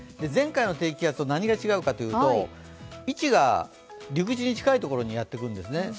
前回の低気圧と何が違うかというと、位置が陸地に近い所にやってくるんですね。